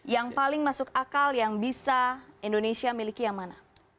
yang paling masuk akal yang bisa indonesia miliki yang mana